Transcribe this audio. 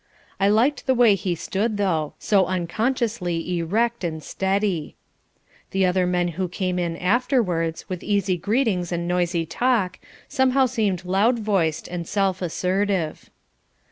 I liked the way he stood, though, so unconsciously erect and steady. The other men who came in afterwards, with easy greetings and noisy talk, somehow seemed loud voiced and self assertive.